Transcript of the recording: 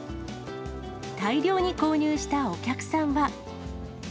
大量に購入したお客さんは。